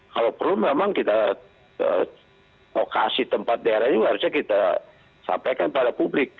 kalau perlu memang kita lokasi tempat daerah juga harusnya kita sampaikan pada publik